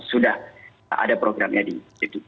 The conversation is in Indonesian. sudah ada programnya di g tujuh